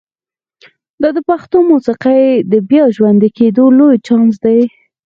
دا د پښتو موسیقۍ د بیا ژوندي کېدو لوی چانس دی.